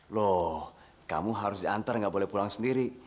loh kamu harus diantar nggak boleh pulang sendiri